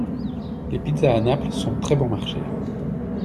Les pizzas à Naples sont très bon marché.